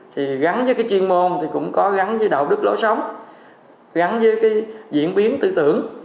thì gắn với cái chuyên môn thì cũng có gắn với đạo đức lối sống gắn với cái diễn biến tư tưởng